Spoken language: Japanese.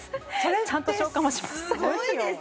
ちゃんと消化もします